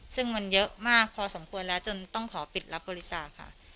ซึ่งมันเยอะมากพอสมควรแล้วจนต้องขอปิดรับบริจาคค่ะ